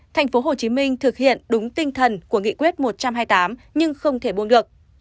tp hcm thực hiện đúng tinh thần của nghị quyết một trăm hai mươi tám nhưng không thể buông được